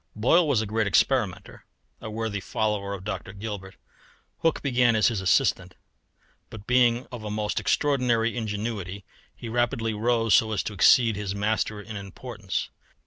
Boyle was a great experimenter, a worthy follower of Dr. Gilbert. Hooke began as his assistant, but being of a most extraordinary ingenuity he rapidly rose so as to exceed his master in importance.